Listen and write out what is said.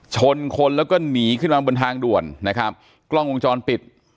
ชนคนแล้วก็หนีขึ้นมาบนทางด่วนนะครับกล้องวงจรปิด